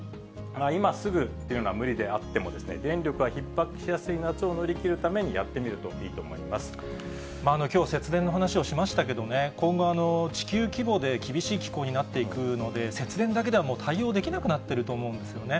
今すぐというのは無理であっても、電力がひっ迫しやすい夏を乗り切るためにやってみるといいと思いきょう、節電の話をしましたけれどもね、今後、地球規模で厳しい気候になっていくので、節電だけではもう対応できなくなっていると思うんですよね。